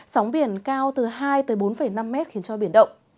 sóng biển cao từ hai bốn năm mét khiến cho biển động